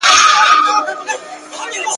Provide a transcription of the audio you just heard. یو څو ورځي یې لا ووهل زورونه !.